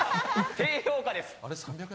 低評価です。